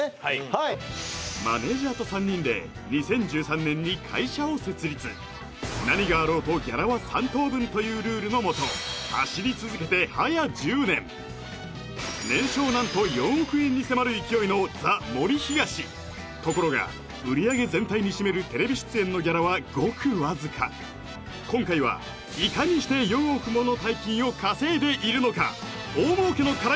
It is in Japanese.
はいマネージャーと３人で２０１３年に会社を設立何があろうとギャラは三等分というルールのもと走り続けて早１０年年商何と４億円に迫る勢いのザ・森東ところが売上全体に占めるテレビ出演のギャラはごくわずか今回はいかにして４億もの大金を稼いでいるのか？